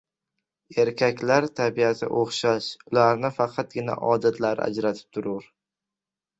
— Erkaklar tabiati o‘xshash, ularni faqatgina odatlari ajratib turur.